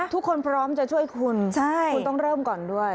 พร้อมจะช่วยคุณคุณต้องเริ่มก่อนด้วย